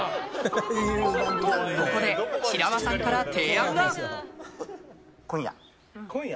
と、ここで白輪さんから提案が。